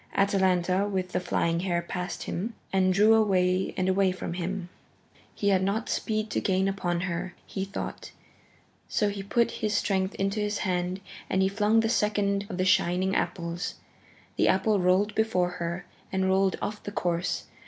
Atalanta with the flying hair passed him, and drew away and away from him. He had not speed to gain upon her now, he thought, so he put his strength into his hand and he flung the second of the shining apples. The apple rolled before her and rolled off the course.